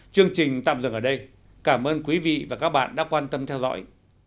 chương trình tạm dừng ở đây cảm ơn quý vị và các bạn đã quan tâm theo dõi